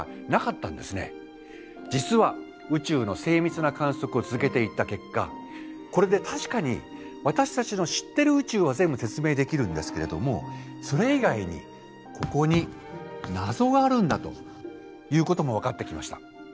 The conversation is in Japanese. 実は宇宙の精密な観測を続けていった結果これで確かに私たちの知ってる宇宙は全部説明できるんですけれどもそれ以外にここに謎があるんだということも分かってきました。